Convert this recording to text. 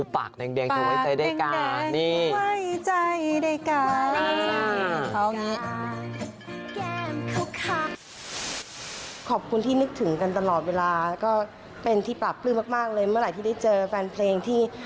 ฟากแดงถึงไว้ใจได้ก่อนนี่